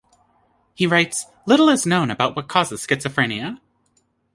He writes, Little is known about what causes schizophrenia.